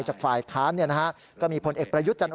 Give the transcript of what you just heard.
จากฝ่าอีกทางก็มีผลเอกประยุทธ์